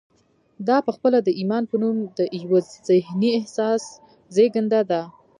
دا پخپله د ایمان په نوم د یوه ذهني احساس زېږنده ده